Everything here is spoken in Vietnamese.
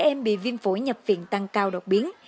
trẻ em bị viêm phủi nhập viện tăng cao đột biến